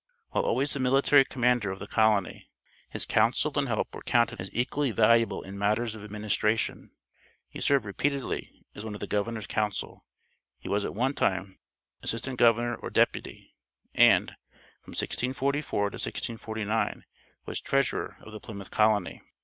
While always the military commander of the colony, his counsel and help were counted as equally valuable in matters of administration. He served repeatedly as one of the governor's council; he was at one time assistant governor or deputy, and, from 1644 to 1649, was treasurer of the Plymouth colony.